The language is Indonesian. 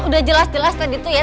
udah jelas jelas tadi tuh ya